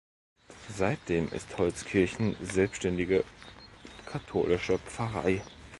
Seitdem ist Holzkirchen selbständige katholische Pfarrei.